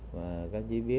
và các dĩ viên